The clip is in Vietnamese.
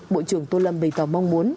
bộ trưởng tô lâm bày tỏ mong muốn